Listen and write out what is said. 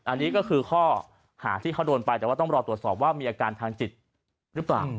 อันนี้ก็คือข้อหาที่เขาโดนไปแต่ว่าต้องรอตรวจสอบว่ามีอาการทางจิตหรือเปล่า